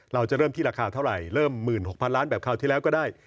เราจะเริ่มที่ราคาเท่าไหร่เริ่ม๑๖๐๐ล้านแบบคราวที่แล้วก็ได้